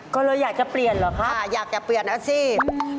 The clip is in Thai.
ก็เลยอยากจะเปลี่ยนเหรอคะอยากจะเปลี่ยนอาชีพ